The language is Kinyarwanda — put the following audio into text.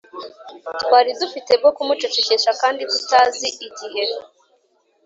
twari dufite bwo kumucecekesha kandi tutazi igihe